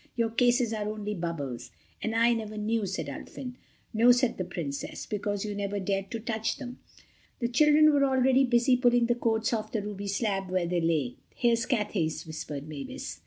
"Your cases are only bubbles." "And I never knew," said Ulfin. "No," said the Princess, "because you never dared to touch them." The children were already busy pulling the coats off the ruby slab where they lay. "Here's Cathay's," whispered Mavis.